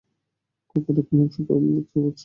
কথাটার কোন অংশটা বুঝতে পারছো না?